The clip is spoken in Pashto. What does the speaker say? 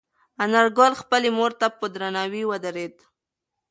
انارګل خپلې مور ته په درناوي ودرېد.